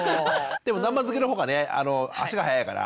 でも南蛮漬けのほうがね足が早いから。